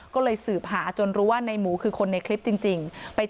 ก็เลยสืบหาจนรู้ว่าในหมูคือคนในคลิปจริง